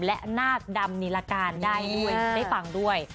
และนาคดำนิรการได้ด้วยได้ฟังด้วย